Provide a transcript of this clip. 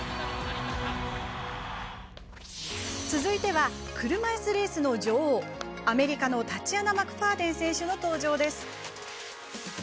続いては、車いすレースの女王アメリカのタチアナ・マクファーデン選手の登場です。